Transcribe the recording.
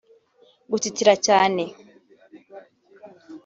Gutitira cyane